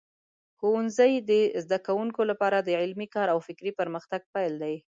ښوونځی د زده کوونکو لپاره د علمي کار او فکري پرمختګ پیل دی.